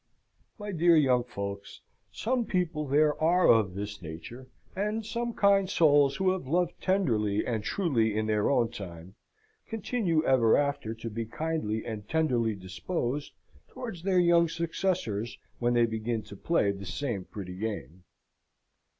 My dear young folks, some people there are of this nature; and some kind souls who have loved tenderly and truly in their own time, continue ever after to be kindly and tenderly disposed towards their young successors, when they begin to play the same pretty game.